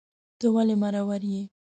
ته ولي مرور یې